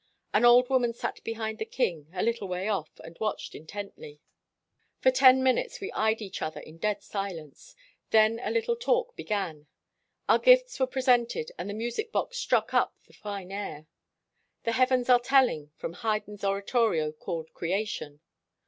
An old woman sat behind the king, a little w T ay off, and watched intently. For ten 86 RECEPTION AT THE ROYAL PALACE minutes we eyed each other in dead silence. Then a little talk began. Our gifts were presented, and the music box struck up the fine air, 'The heavens are telling,' from Haydn's oratorio called 'Creation.'